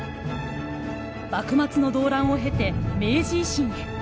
幕末の動乱を経て明治維新へ。